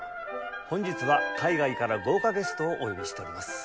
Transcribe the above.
本日は海外から豪華ゲストをお呼びしております。